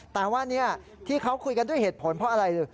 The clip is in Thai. แต่ว่าที่เขาคุยกันด้วยเหตุผลเพราะอะไรหรือ